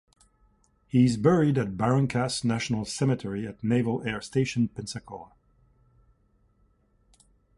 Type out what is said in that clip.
He is buried at Barrancas National Cemetery at Naval Air Station Pensacola.